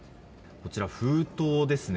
こちら封筒ですね。